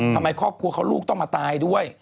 ครอบครัวเขาลูกต้องมาตายด้วย